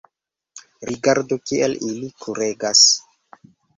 rigardu, kiel ili kuregas.